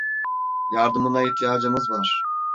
Yardımına ihtiyacımız var.